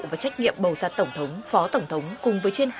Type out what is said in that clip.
và trách nhiệm bầu ra tổng thống phó tổng thống